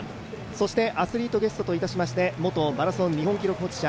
そしてアスリートゲストといたしまして、元日本記録保持者